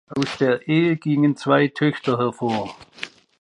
Aus der Ehe gingen zwei Töchter hervor.